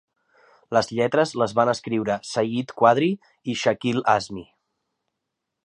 Les lletres les van escriure Sayeed Quadri i Shakeel Azmi.